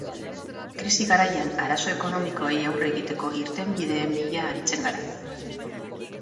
Krisi garaian arazo ekonomikoei aurre egiteko irtenbideen bila aritzen gara.